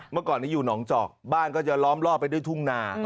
เมื่อก่อนนี้อยู่หนองจอกบ้านก็จะล้อมรอบไปด้วยทุ่งนา